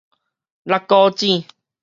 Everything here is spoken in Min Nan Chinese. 戮鼓井